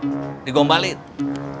buklara digombalin gue ya